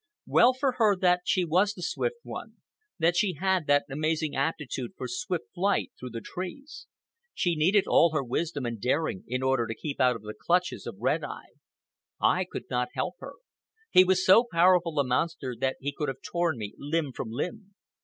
Well for her that she was the Swift One, that she had that amazing aptitude for swift flight through the trees. She needed all her wisdom and daring in order to keep out of the clutches of Red Eye. I could not help her. He was so powerful a monster that he could have torn me limb from limb.